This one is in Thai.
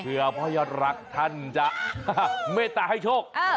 เพื่อพ่อยอดรักท่านจะเมตตาให้โชค